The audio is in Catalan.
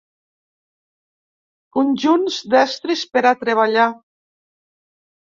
Conjunts d'estris per a treballar.